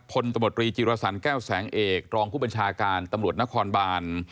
ตมตรีจิรสันแก้วแสงเอกรองผู้บัญชาการตำรวจนครบาน